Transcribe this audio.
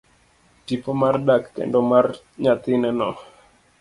Tipo mar dak kendo mar nyathine no.